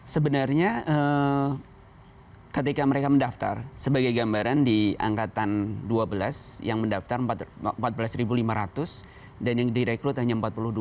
sebenarnya ketika mereka mendaftar sebagai gambaran di angkatan dua belas yang mendaftar empat belas lima ratus dan yang direkrut hanya empat puluh dua